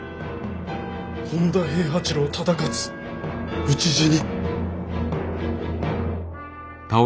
本多平八郎忠勝討ち死に。